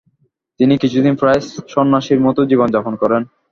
তিনি কিছুদিন প্রায় সন্ন্যাসীর মতো জীবনযাপন করেন।